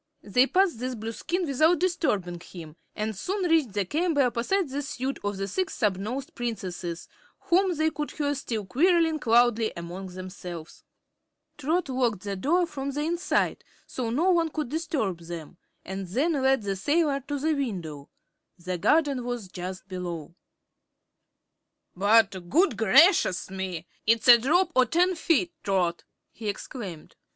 They passed this Blueskin without disturbing him and soon reached the chamber opposite the suite of the Six Snubnosed Princesses, whom they could hear still quarreling loudly among themselves. Trot locked the door from the inside, so no one could disturb them, and then led the sailor to the window. The garden was just below. "But good gracious me! It's a drop o' ten feet, Trot," he exclaimed.